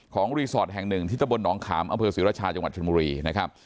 ของรีสอร์ทแห่งหนึ่งทิศบนน้องขามอศิรชาจังหวัดชนมุรีนะครับ